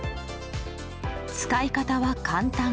使い方は、簡単。